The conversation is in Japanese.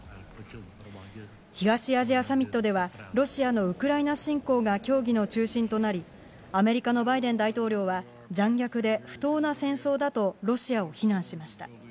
東アジアサミットでは、ロシアのウクライナ侵攻が協議の中心となり、アメリカのバイデン大統領は、残虐で不当な戦争だとロシアを非難しました。